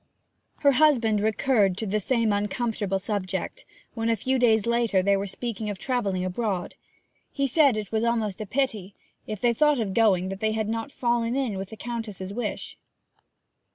Her husband recurred to the same uncomfortable subject when, a few days later, they were speaking of travelling abroad. He said that it was almost a pity, if they thought of going, that they had not fallen in with the Countess's wish.